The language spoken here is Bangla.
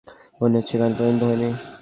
মনে হচ্ছে গান পছন্দ হয়নি।